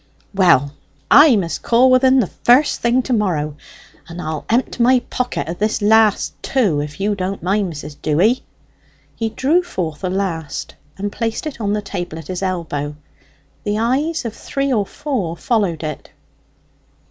"Well, I must call with en the first thing to morrow. And I'll empt my pocket o' this last too, if you don't mind, Mrs. Dewy." He drew forth a last, and placed it on a table at his elbow. The eyes of three or four followed it.